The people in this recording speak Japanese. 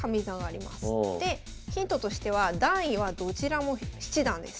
でヒントとしては段位はどちらも七段です。